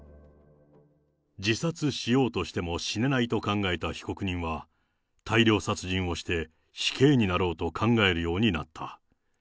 自殺しようとしても死ねないと考えた被告人は、大量殺人をして死刑になろうと考えるようになった。